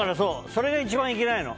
それが一番いけないの。